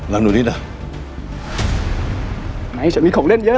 แล้วนุ้งนิสอ่ะไหมฉันมีของเล่นเยอะเลย